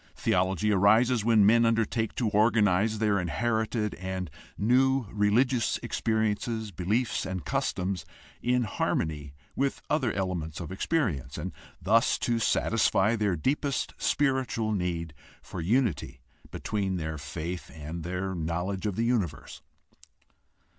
Theology arises when men undertake to organize their inherited and new religious experiences, beliefs, and customs in harmony with other elements of experience, and thus to satisfy their deepest spiritual need for unity between their faith and their knowledge of the universe.